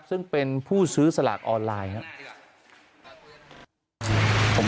ซึ่งเป็นผู้ซื้อสลากออนไลน์ครับ